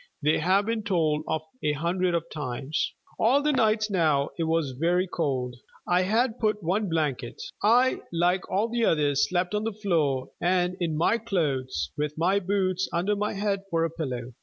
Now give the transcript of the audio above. They have been told of a hundred of times. All the nights now it was very cold. I had but one blanket. I, like all the others, slept on the floor, and in my clothes, with my boots under my head for a pillow.